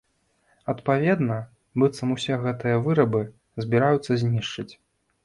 Адпаведна, быццам, усе гэтыя вырабы збіраюцца знішчыць.